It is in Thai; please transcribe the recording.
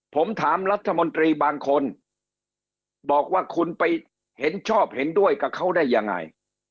ผมถามรัฐมนตรีบางคนบอกว่าคุณไปเห็นชอบเห็นด้วยกับเขาได้ยังไง